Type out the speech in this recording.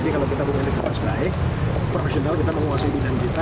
jadi kalau kita memiliki pas baik profesional kita menguasai bidang kita